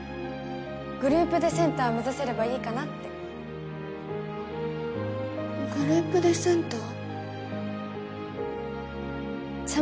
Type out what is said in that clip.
グループでセンター目指せればいいかなってグループでセンター？